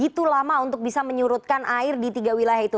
nah normalisasi sudah gitu lama untuk bisa menyurutkan air di tiga wilayah itu